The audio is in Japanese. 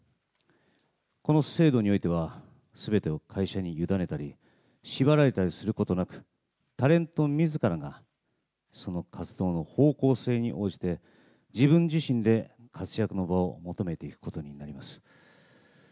この制度においては、すべてを会社に委ねたり、縛られたりすることなく、タレントみずからが、その活動の方向性に応じて、自分自身で活躍の場を求めていくことになります。